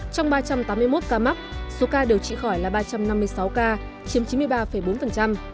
trong ba trăm tám mươi một ca mắc số ca điều trị khỏi là ba trăm năm mươi sáu ca chiếm chín mươi ba bốn